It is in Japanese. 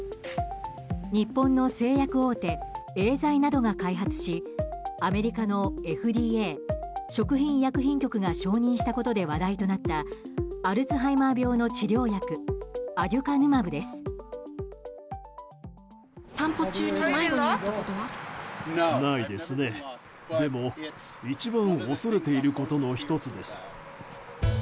日本の製薬大手エーザイなどが開発しアメリカのＦＤＡ・食品医薬品局が承認したことで話題となったアルツハイマー病の治療薬アデュカヌマブです。